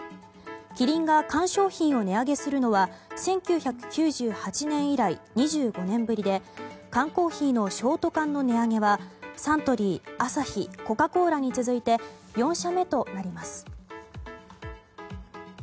キリンが缶商品を値上げするのは１９９８年以来２５年ぶりで、缶コーヒーのショート缶の値上げはサントリー、アサヒコカ・コーラに続いて４社目となります。